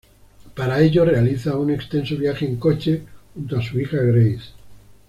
Para ello realiza un extenso viaje en coche junto a su hija Grace.